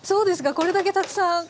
これだけたくさん。